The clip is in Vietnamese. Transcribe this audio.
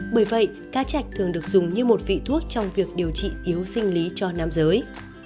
bởi vậy cá chạch thường được dùng như một vị thuốc trong việc điều trị yếu sinh lý cho nam giới